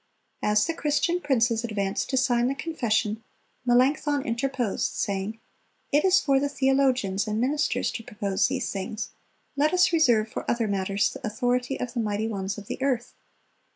As the Christian princes advanced to sign the Confession, Melanchthon interposed, saying, "It is for the theologians and ministers to propose these things; let us reserve for other matters the authority of the mighty ones of the earth."